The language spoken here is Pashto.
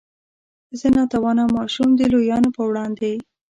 زه نا توانه ماشوم د لویانو په وړاندې.